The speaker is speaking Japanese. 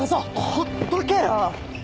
ほっとけよ！